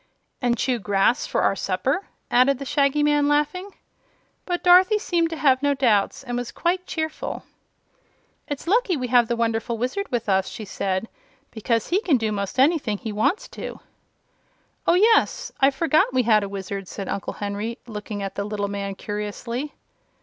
"And chew grass for our supper," added the Shaggy Man, laughing. But Dorothy seemed to have no doubts and was quite cheerful "It's lucky we have the wonderful Wizard with us," she said; "because he can do 'most anything he wants to." "Oh, yes; I forgot we had a Wizard," said Uncle Henry, looking at the little man curiously.